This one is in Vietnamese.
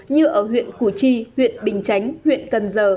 như ở huyện củ chi huyện bình chánh huyện cần giờ